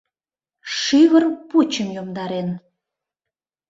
Шӱвыр пучым йомдарен.